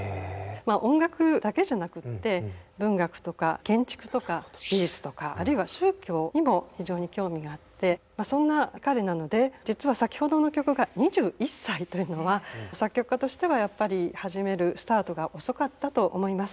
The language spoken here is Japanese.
まあ音楽だけじゃなくって文学とか建築とか美術とかあるいは宗教にも非常に興味があってまあそんな彼なので実は先ほどの曲が２１歳というのは作曲家としてはやっぱり始めるスタートが遅かったと思います。